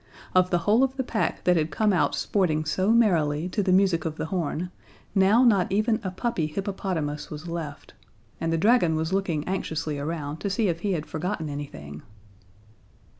Of the whole of the pack that had come out sporting so merrily to the music of the horn, now not even a puppy hippopotamus was left, and the dragon was looking anxiously around to see if he had forgotten anything.